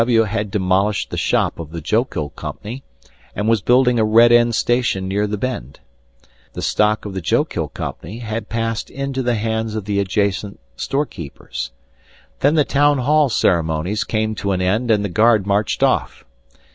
G. P. W. had demolished the shop of the Jokil Company, and was building a Red End station near the bend. The stock of the Jokil Company had passed into the hands of the adjacent storekeepers. Then the town hall ceremonies came to an end and the guard marched off.